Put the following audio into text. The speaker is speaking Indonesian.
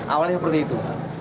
awalnya seperti itu